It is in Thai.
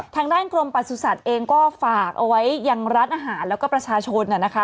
ทางด้านกรมประสุทธิ์สัตว์เองก็ฝากเอาไว้อย่างรัฐอาหารและก็ประชาชน